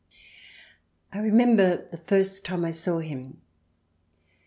I remember the first time I saw him.